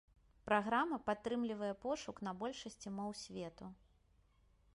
Праграма падтрымлівае пошук на большасці моў свету.